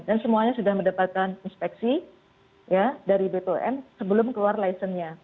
dan semuanya sudah mendapatkan inspeksi dari bpum sebelum keluar lisensinya